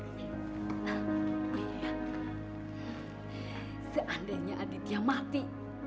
seandainya aditya mati